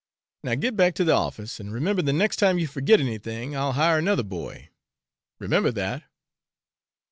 Now get back to the office, and remember, the next time you forget anything, I'll hire another boy; remember that!